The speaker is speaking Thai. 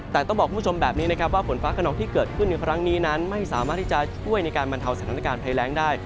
แต่ต้องบอกคุณผู้ชมแบบนี้นะครับว่าฝนฟ้าขนองที่เกิดขึ้นในครั้งนี้นั้นไม่สามารถที่จะช่วยในการบรรเทาสถานการณ์ภัยแรงได้